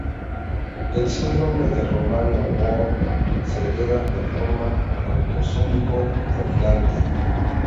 El síndrome de Romano-Ward se hereda de forma autosómico dominante.